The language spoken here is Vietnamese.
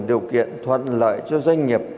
điều kiện thuận lợi cho doanh nghiệp